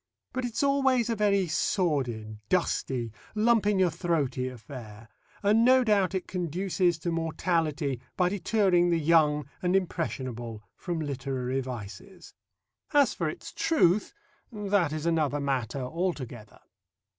But it's always a very sordid, dusty, lump in your throaty affair, and no doubt it conduces to mortality by deterring the young and impressionable from literary vices. As for its truth, that is another matter altogether.